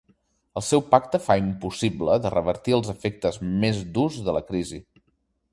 El seu pacte fa impossible de revertir els efectes més durs de la crisi.